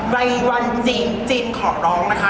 ใบวันจีนจินขอร้องนะคะ